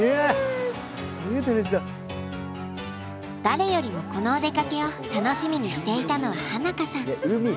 誰よりもこのお出かけを楽しみにしていたのは花香さん。